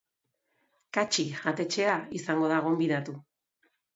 Katxi jatetxea izango da gonbidatu.